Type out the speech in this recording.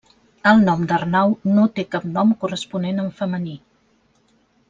El nom d'Arnau no té cap nom corresponent en femení.